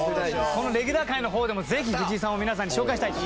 このレギュラー回の方でもぜひ藤井さんを皆さんに紹介したいと。